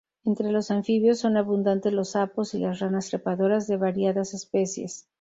Entre los anfibios son abundantes los sapos y las ranas trepadoras de variadas especies.